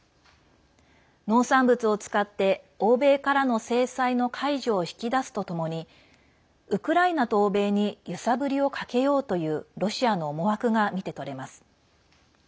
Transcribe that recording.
農産物を使って欧米からの制裁の解除を引き出すとともにウクライナと欧米に揺さぶりをかけようというロシアの思惑が見て取れます。